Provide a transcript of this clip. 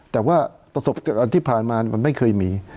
แต่ว่าประสบการณ์ที่ผ่านมามันไม่เคยมี